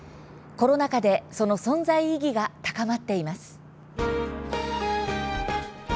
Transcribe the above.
コロナ禍で、その存在意義が高まっています。